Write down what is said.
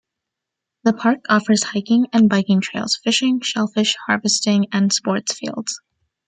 The park offers hiking and biking trails, fishing, shellfish harvesting, and sports fields.